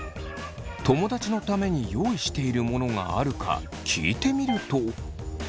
友だちのために用意しているものがあるか聞いてみると。